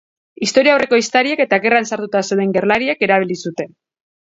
Historiaurreko ehiztariek eta gerran sartuta zeuden gerlariek erabili zuten.